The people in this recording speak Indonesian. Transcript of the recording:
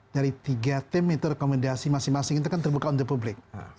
dari tiga tim itu rekomendasi masing masing itu kan terbuka untuk publik